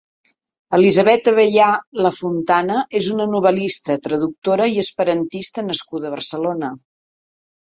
Elisabet Abeyà Lafontana és una novel·lista, traductora i esperantista nascuda a Barcelona.